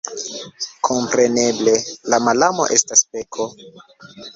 Kompreneble, la malamo estas peko.